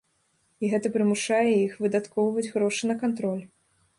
І гэта прымушае іх выдаткоўваць грошы на кантроль.